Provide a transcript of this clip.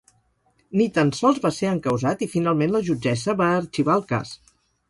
Ni tan sols va ser encausat i finalment la jutgessa va arxivar el cas.